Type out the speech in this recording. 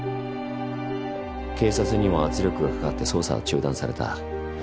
警察にも圧力がかかって捜査は中断された。